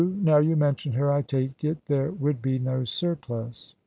Now you mention her, I take it there would be no surplus."